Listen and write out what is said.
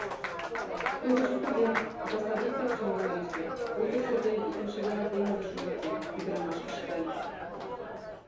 — Тудыжо туге, да садиктак чонлан йӧсӧ, пуйто Сергейым икымше гана теҥызыш ужатем, — ӱдырамаш ыштале.